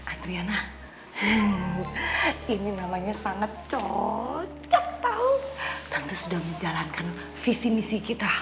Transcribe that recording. adriana ini namanya sangat cocok tahu tapi sudah menjalankan visi misi kita